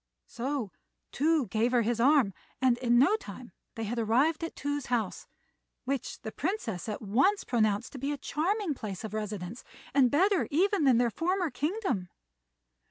So Tou gave her his arm, and in no time they had arrived at Tou's house, which the Princess at once pronounced to be a charming place of residence, and better even than their former kingdom.